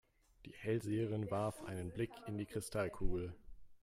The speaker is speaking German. Die Hellseherin warf einen Blick in die Kristallkugel.